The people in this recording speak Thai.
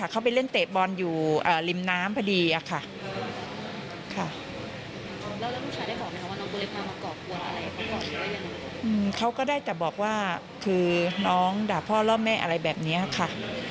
เขาก็ได้แต่บอกว่าคือน้องด่าพ่อล่อแม่อะไรแบบนี้ค่ะ